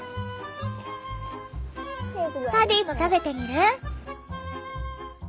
パディも食べてみる？